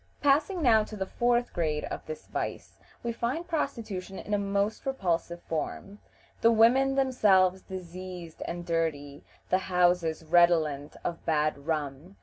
Passing now to the fourth grade of this vice, we find prostitution in a most repulsive form; the women themselves diseased and dirty, the houses redolent of bad rum.